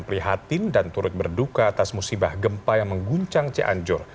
prihatin dan turut berduka atas musibah gempa yang mengguncang cianjur